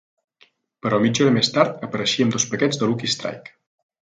Però mitja hora més tard apareixia amb dos paquets de Lucky Strike.